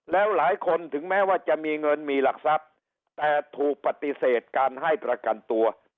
แล้วหลายคนถึงแม้ว่าจะมีเงินมีหลักทรัพย์แต่ถูกปฏิเสธการให้ประกันตัว